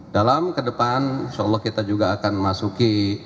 dalam ke depan insya allah kita juga akan masuki